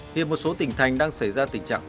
hiện một số tỉnh thành đang xảy ra tình trạng